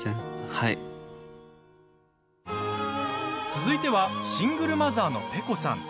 続いてはシングルマザーのペコさん。